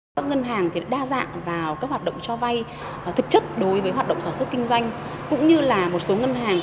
các ngân hàng đã đa dạng vào các hoạt động cho vay thực chất đối với hoạt động sản xuất kinh doanh cũng như là một số ngân hàng